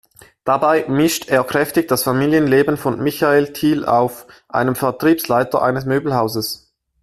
Dabei mischt er kräftig das Familienleben von Michael Thiel auf, einem Vertriebsleiter eines Möbelhauses.